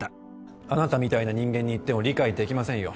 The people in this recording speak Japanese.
あなたみたいな人間に言っても理解できませんよ。